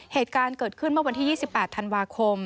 เหตุการณ์เกิดขึ้นเมื่อวันที่๒๘ธันวาคม